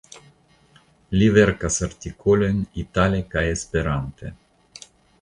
Li verkas artikolojn itale kaj Esperante.